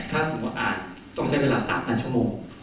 ถ้าสมมุติต้องใช้เวลา๓๐๐ชั่วโมง